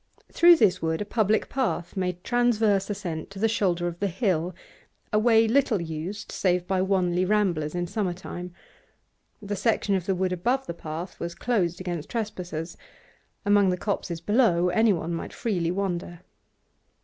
Through this wood a public path made transverse ascent to the shoulder of the bill, a way little used save by Wanley ramblers in summer time. The section of the wood above the path was closed against trespassers; among the copses below anyone might freely wander.